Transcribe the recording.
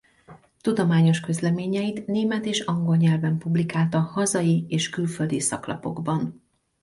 Tudományos közleményeit német és angol nyelven publikálta hazai és külföldi szaklapokban.